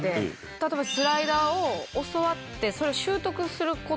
例えばスライダーを教わってそれを。